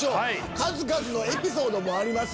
数々のエピソードもあります。